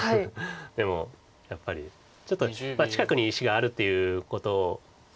でもやっぱりちょっと近くに石があるということで。